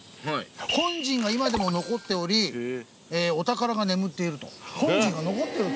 「本陣が今でも残っておりお宝が眠っている」